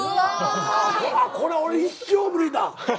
これは俺一生無理だ。